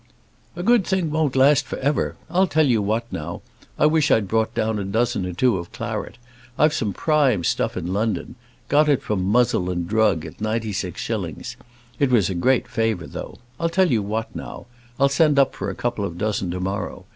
"A good thing won't last for ever. I'll tell you what now; I wish I'd brought down a dozen or two of claret. I've some prime stuff in London; got it from Muzzle & Drug, at ninety six shillings; it was a great favour, though. I'll tell you what now, I'll send up for a couple of dozen to morrow.